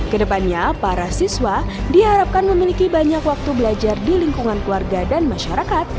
kedepannya para siswa diharapkan memiliki banyak waktu belajar di lingkungan keluarga dan masyarakat